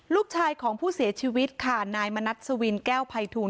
ลูกชายของผู้เสียชีวิตค่ะนายมณัศวินแก้วภัยทูล